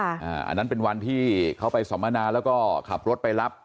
อันนั้นเป็นวันที่เขาไปสัมมนาแล้วก็ขับรถไปรับ